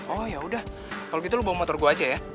oh yaudah kalau gitu lu bawang motor gue aja ya